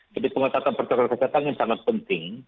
jadi pengesatan protokol kesehatan yang sangat penting